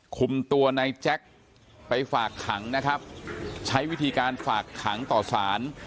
คุมตัวในแจ็คไปฝากขังนะครับใช้วิธีการฝากขังต่อสาร